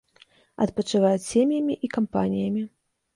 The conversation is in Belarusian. Адпачываюць сем'ямі і кампаніямі.